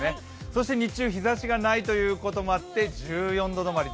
そして日中、日ざしがないということもあって１４度止まり。